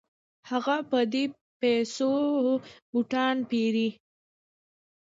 هغه په دې پیسو بوټان پيري.